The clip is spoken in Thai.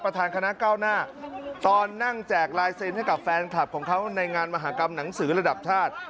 คณะเก้าหน้าตอนนั่งแจกลายเซ็นต์ให้กับแฟนคลับของเขาในงานมหากรรมหนังสือระดับชาติ